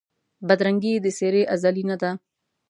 بدرنګي یې د څېرې ازلي نه ده